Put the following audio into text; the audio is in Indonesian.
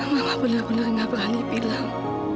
bapak benar benar nggak berani bilang